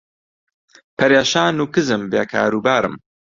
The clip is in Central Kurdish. پەرێشان و کزم بێ کاروبارم